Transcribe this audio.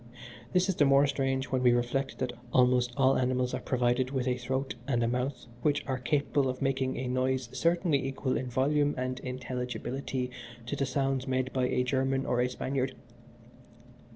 This is the more strange when we reflect that almost all animals are provided with a throat and a mouth which are capable of making a noise certainly equal in volume and intelligibility to the sounds made by a German or a Spaniard.